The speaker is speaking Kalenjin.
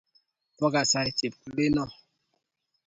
Po kasari chepkulenno